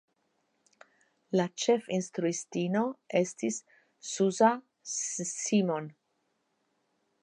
Lia ĉefinstruisto estis Zsuzsa Simon.